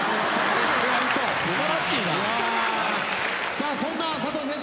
さあそんな佐藤選手